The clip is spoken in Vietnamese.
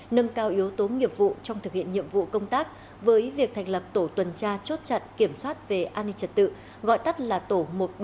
nâng cao yếu tố nghiệp vụ trong thực hiện nhiệm vụ công tác với việc thành lập tổ tuần tra chốt chặn kiểm soát về an ninh trật tự gọi tắt là tổ một trăm bảy mươi